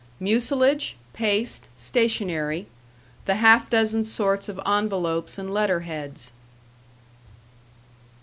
Mucilage, paste, stationery; the half dozen sorts of envelopes and letter heads.